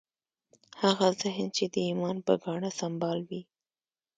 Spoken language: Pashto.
هغه ذهن چې د ایمان په ګاڼه سمبال وي